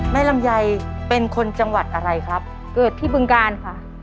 ลำไยเป็นคนจังหวัดอะไรครับเกิดที่บึงการค่ะ